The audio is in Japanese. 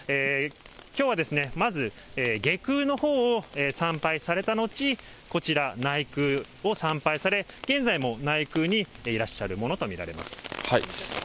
きょうはですね、まず、外宮のほうを参拝されたのち、こちら、内宮を参拝され、現在も内宮にいらっしゃるものと見られます。